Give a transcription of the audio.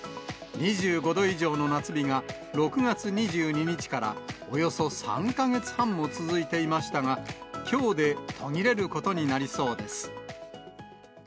２５度以上の夏日が、６月２２日からおよそ３か月半も続いていましたが、きょうで途切れることになりそうです。